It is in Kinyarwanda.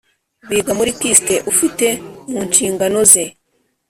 Biga muri kist ufite mu nshingano ze